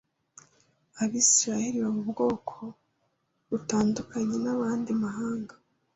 Abisirayeli baba ubwoko butandukanye n’andi mahanga